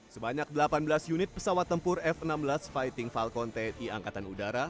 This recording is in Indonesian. sebanyak delapan belas unit pesawat tempur f enam belas fighting falcon tni angkatan udara